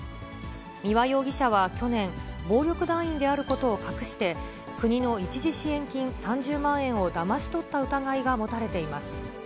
三輪容疑者は去年、暴力団員であることを隠して、国の一時支援金３０万円をだまし取った疑いが持たれています。